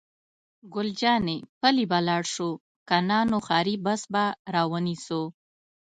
ګل جانې: پلي به ولاړ شو، که نه نو ښاري بس به را ونیسو.